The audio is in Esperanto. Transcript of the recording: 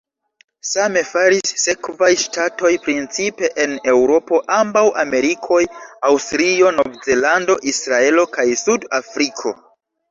Same faris sekvaj ŝtatoj, principe en Eŭropo, ambaŭ Amerikoj, Aŭstralio, Nov-Zelando, Israelo kaj Sud-Afriko.